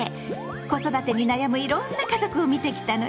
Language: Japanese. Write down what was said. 子育てに悩むいろんな家族を見てきたのよ。